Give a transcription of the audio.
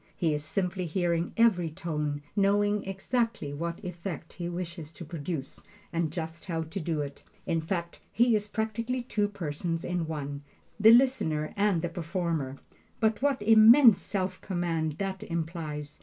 He is simply hearing every tone, knowing exactly what effect he wishes to produce and just how to do it. In fact, he is practically two persons in one the listener and the performer. But what immense self command that implies!